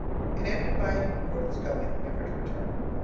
It ended by Gordon's going, never to return.